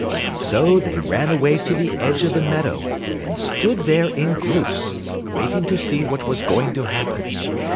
So they ran away to the edge of the meadow, and stood there in groups, waiting to see what was going to happen.